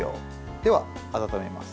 では、温めます。